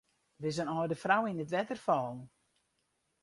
Der is in âlde frou yn it wetter fallen.